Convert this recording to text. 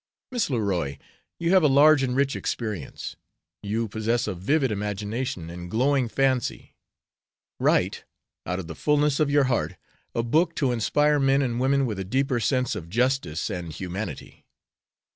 "Miss Leroy, you have a large and rich experience; you possess a vivid imagination and glowing fancy. Write, out of the fullness of your heart, a book to inspire men and women with a deeper sense of justice and humanity."